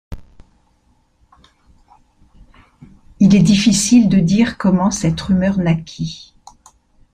Il est difficile de dire comment cette rumeur naquit.